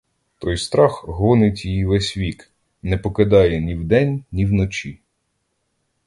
Той страх гонить її весь вік, не покидає ні вдень, ні вночі.